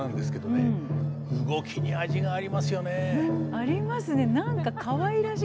ありますね。